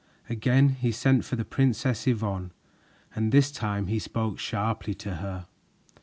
Again he sent for the Princess Yvonne, and this time he spoke sharply to her.